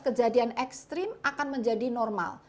kejadian ekstrim akan menjadi normal